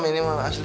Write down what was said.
ini mah asli